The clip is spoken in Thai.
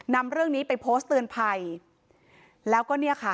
นำเรื่องนี้ไปโพสต์เตือนภัยแล้วก็เนี่ยค่ะ